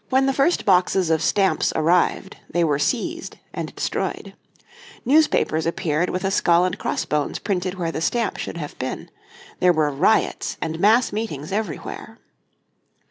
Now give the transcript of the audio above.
When the first boxes of stamps arrived they were seized and destroyed. Newspapers appeared with a skull and crossbones printed where the stamp should have been. There were riots and mass meetings everywhere.